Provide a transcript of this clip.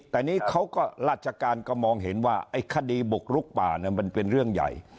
แต่นี่เขาก็ราชการก็มองเห็นว่าไอ้คดีบุกลุกป่ามันเป็นเรื่องใหญ่